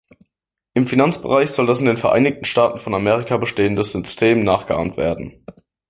Im Finanzbereich soll das in den Vereinigten Staaten von Amerika bestehende System nachgeahmt werden.